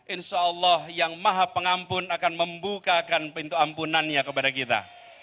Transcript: insya allah yang maha pengampun akan membukakan pintu ampunannya kepada kita